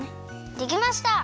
できました！